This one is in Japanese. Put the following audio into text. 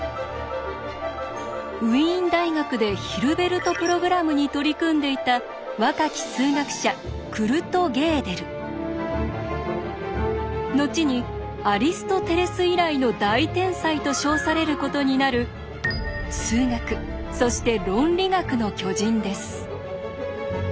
ウィーン大学でヒルベルト・プログラムに取り組んでいた若き数学者のちにアリストテレス以来の大天才と称されることになる数学そして論理学の巨人です。